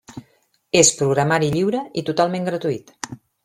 És programari lliure i totalment gratuït.